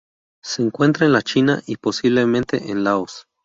Se encuentra en la China y, posiblemente en Laos.